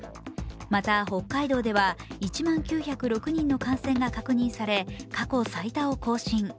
また、北海道では１万９０６人の感染が確認され過去最多を更新。